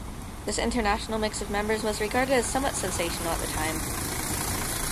This international mix of members was regarded as somewhat sensational at the time.